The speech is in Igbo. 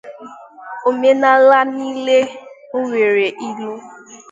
Omenala nílé nwèrè ílú.